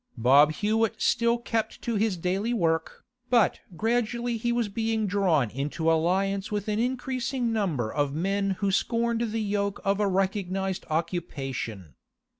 Bob Hewett still kept to his daily work, but gradually he was being drawn into alliance with an increasing number of men who scorned the yoke of a recognised occupation.